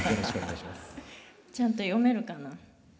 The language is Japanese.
ちゃんと読めるかな。